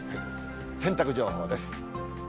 洗濯情報です。